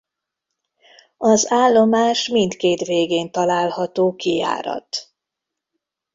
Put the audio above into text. Az állomás mindkét végén található kijárat.